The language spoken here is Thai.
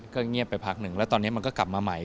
ก็เงียบไปพักหนึ่งแล้วตอนนี้มันก็กลับมาใหม่